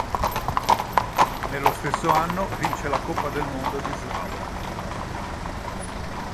Nello stesso anno vince la Coppa del Mondo di slalom.